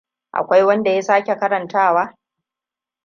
Akwai wanda ya sake karantawa?